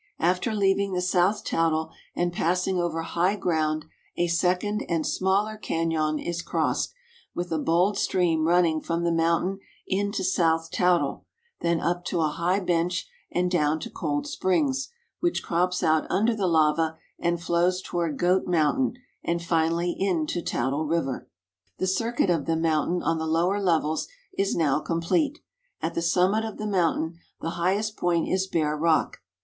After leaving the South Toutle and passing over high ground a second and smaller caiion is crossed, with a bold stream running from the mountain into South Toutle, then up to a high bench and down to Cold Springs, which crops out under the lava and flows toward Goat mountain and finally into Toutle river. The circuit of the mountain on the lower levels is now com plete. At the summit of the mountain the highest point is bare rock.